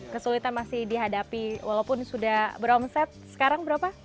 kesulitan masih dihadapi walaupun sudah beromset sekarang berapa